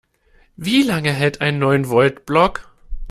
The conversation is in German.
Wie lange hält ein Neun-Volt-Block?